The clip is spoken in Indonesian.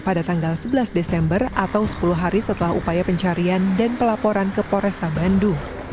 pada tanggal sebelas desember atau sepuluh hari setelah upaya pencarian dan pelaporan ke poresta bandung